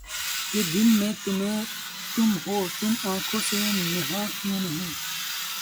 کہ جب دل میں تمھیں تم ہو‘ تو آنکھوں سے نہاں کیوں ہو؟